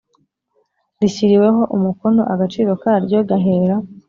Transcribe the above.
rishyiriweho umukono Agaciro karyo gahera